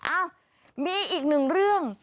อ้าวมีอีกหนึ่งเรื่อง